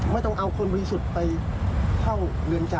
ไม่ต้องเอาคนบริสุทธิ์ไปเข้าเรือนจำ